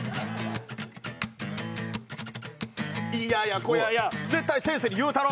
「いややこやや絶対先生に言うたろ」